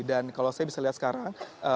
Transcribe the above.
dan kalau saya bisa lihat sekarang